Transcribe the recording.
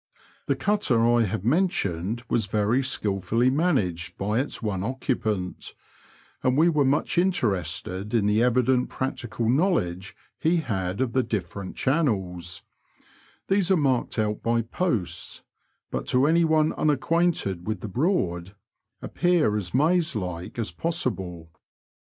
The cutter I have mentioned was very skilfully managed by its one occupant, and we were much interested in the evident practical knowledge he had of the different channels ; these are marked out by posts, but to any one unacquainted with the Broad, appear as maze like as possible.